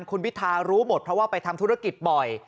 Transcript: คุณพิทารู้หมดเพราะว่าไปทำธุรกิจบ่อย